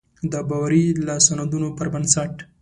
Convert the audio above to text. د باوري لاسوندونو پر بنسټ.